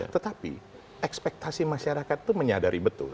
tetapi ekspektasi masyarakat itu menyadari betul